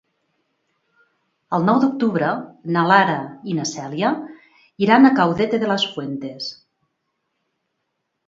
El nou d'octubre na Lara i na Cèlia iran a Caudete de las Fuentes.